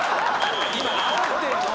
今あおってるの！